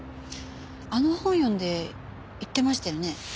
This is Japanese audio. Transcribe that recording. あの本読んで言ってましたよね。